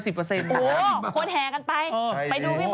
โอ้โฮโทแทกันไป